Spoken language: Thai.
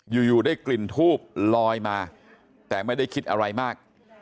อยู่ได้กลิ่นทูบลอยมาแต่ไม่ได้คิดอะไรมาก